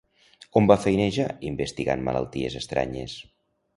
On va feinejar investigant malalties estranyes?